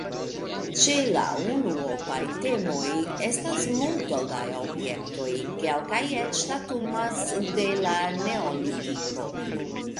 Ĉe la unuopaj temoj estas multo da objektoj; kelkaj eĉ datumas de la neolitiko.